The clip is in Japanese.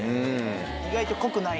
意外と濃くない。